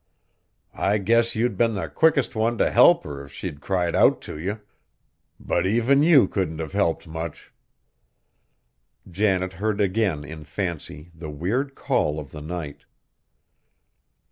I guess you'd been the quickest one t' help her if she'd cried out t' you; but even you couldn't have helped much." Janet heard again in fancy the weird call of the night.